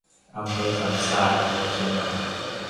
อำเภอสันทราย จังหวัดเชียงใหม่